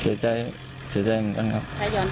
เสียใจเหมือนกันครับ